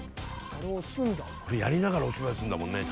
これやりながらお芝居すんだもんね。